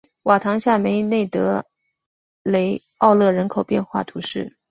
瓦唐下梅内特雷奥勒人口变化图示